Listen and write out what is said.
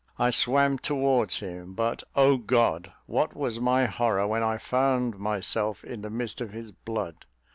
I swam towards him; but, O, God! what was my horror, when I found myself in the midst of his blood.